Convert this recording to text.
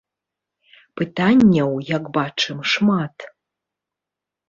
Пытанняў, як бачым, шмат.